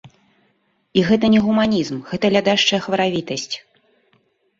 І гэта не гуманізм, гэта лядашчая хваравітасць.